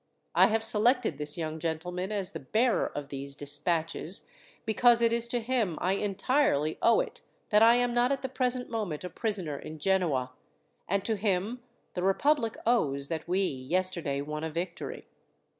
I have selected this young gentleman as the bearer of these despatches, because it is to him I entirely owe it that I am not at the present moment a prisoner in Genoa, and to him the republic owes that we yesterday won a victory.